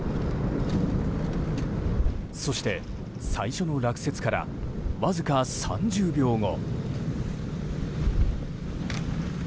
そして、最初の落雪からわずか３０秒後。